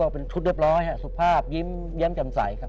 เป็นชุดเรียบร้อยสุภาพยิ้มแย้มแจ่มใสครับ